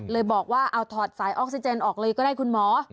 เลยบอกว่าเอาถอดสายออกซิเจนออกเลยก็ได้คุณหมอ